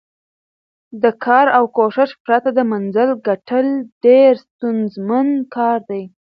د کار او کوښښ پرته د منزل ګټل ډېر ستونزمن کار دی.